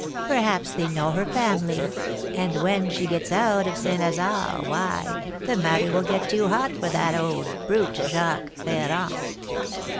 Perhaps they know her family; and when she gets out of St. Lazare, why, the matter will get too hot for that old brute, Jacques Ferrand.